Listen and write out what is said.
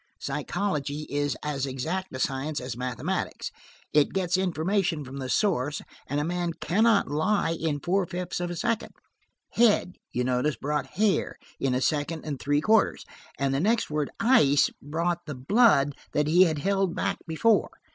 Psychology is as exact a science as mathematics; it gets information from the source, and a man can not lie in four fifths of a second. 'Head,' you noticed brought 'hair' in a second and three quarters, and the next word 'ice,' brought the 'blood' that he had held back before.